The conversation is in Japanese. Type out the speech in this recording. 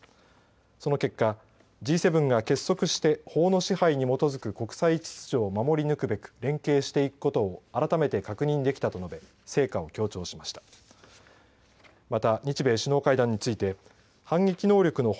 その結果Ｇ７が結束して法の支配に基づく国際秩序を守り抜くべく連携していくことを改めて確認できたと述べ成果を強調しました。